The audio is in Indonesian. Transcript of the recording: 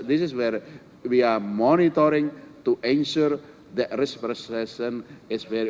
ini adalah hal yang kita perhatikan untuk memastikan proses risiko sangat baik